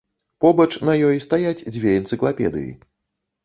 Побач на ёй стаяць дзве энцыклапедыі.